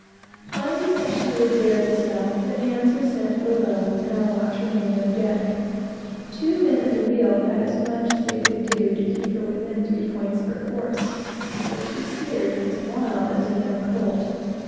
Finding that she would bear the sail, the hands were sent below, and our watch remained on deck. Two men at the wheel had as much as they could do to keep her within three points of her course, for she steered as wild as a young colt.